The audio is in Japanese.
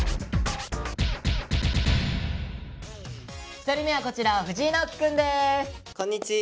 １人目はこちら藤井直樹くんです。